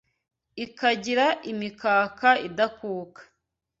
Ikagira imikaka idakuka